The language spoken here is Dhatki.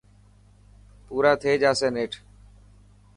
پورا ٿي جاسي نيٺ.